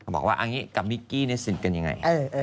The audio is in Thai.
ก็บอกว่าอันนี้กับมิกกี้เนี่ยสินกันยังไง